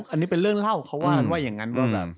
อันนี้เป็นเรื่องเล่าเขาว่ากันว่าอย่างนั้น